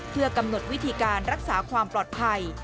เพื่อกำหนดวิธีการรักษาความปลอดภัย